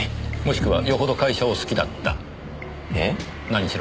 何しろ